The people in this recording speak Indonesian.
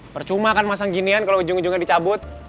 percuma kan masang ginian kalau ujung ujungnya dicabut